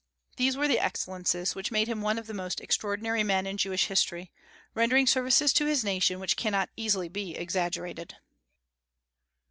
These were the excellences which made him one of the most extraordinary men in Jewish history, rendering services to his nation which cannot easily be exaggerated.